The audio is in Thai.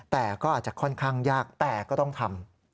แต่ก็อาจจะค่อนข้างยากแต่ก็ต้องทำ